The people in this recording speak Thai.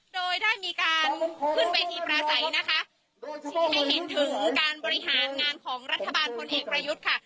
โดยได้มีการขึ้นเวทีประสัยนะคะให้เห็นถึงการบริหารงานของรัฐบาลพลเอกประยุทธ์ค่ะ